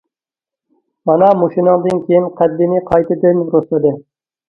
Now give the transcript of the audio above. مانا مۇشۇنىڭدىن كىيىن قەددىنى قايتىدىن رۇسلىدى.